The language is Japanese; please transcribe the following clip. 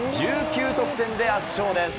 １９得点で圧勝です。